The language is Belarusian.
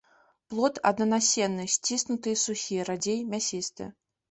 Плод аднанасенны, сціснуты і сухі, радзей мясісты.